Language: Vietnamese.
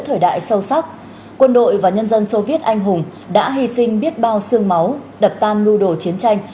thời đại sâu sắc quân đội và nhân dân soviet anh hùng đã hy sinh biết bao sương máu đập tan mưu đồ chiến tranh